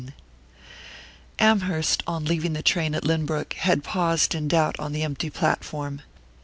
XVI AMHERST, on leaving the train at Lynbrook, had paused in doubt on the empty platform.